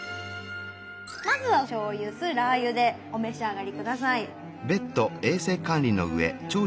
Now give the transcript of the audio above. まずはしょうゆ酢ラー油でお召し上がり下さい。